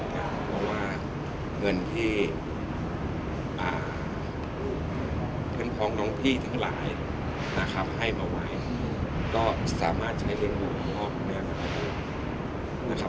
เพราะว่าเงินที่เพื่อนพร้อมน้องพี่ทั้งหลายให้มาไว้ก็สามารถใช้เรียงบุคงบนะครับ